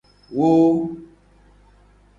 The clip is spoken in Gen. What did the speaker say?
Wo.